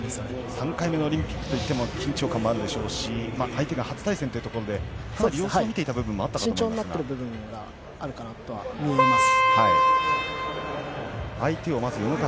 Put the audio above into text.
３回目のオリンピックといっても緊張感があるでしょうし相手も初対戦ということで様子を見てた部分があっ慎重になった部分があるかと思います。